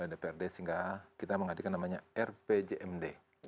dprd sehingga kita menghadirkan namanya rpjmd